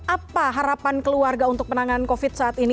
apa harapan keluarga untuk penanganan covid saat ini